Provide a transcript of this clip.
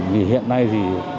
vì hiện nay thì